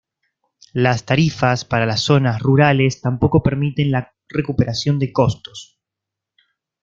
Las tarifas para las zonas rurales tampoco permiten la recuperación de costos.